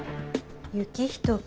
行人君。